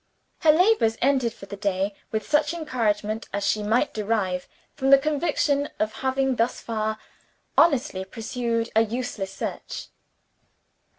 Her labors ended, for the day, with such encouragement as she might derive from the conviction of having, thus far, honestly pursued a useless search.